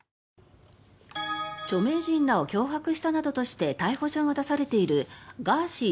著名人らを脅迫したなどとして逮捕状が出されているガーシー